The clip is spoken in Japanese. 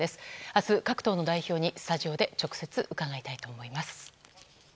明日、各党の代表にスタジオで直接伺いたいと思います。